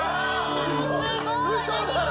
すごい！